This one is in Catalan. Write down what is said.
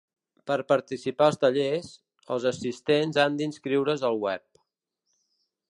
Per participar als tallers, els assistents han d’inscriure’s al web.